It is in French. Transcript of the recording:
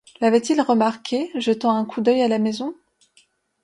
L'avait-il remarquée, jetant un coup d'oeil à la maison?